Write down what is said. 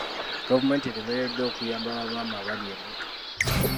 Gavumenti eremereddwa okuyamba ba maama abali embuto.